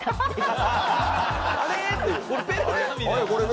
「あれ？